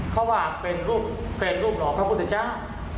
เขาว่าเป็นรูปหล่อพระพุทธจ้า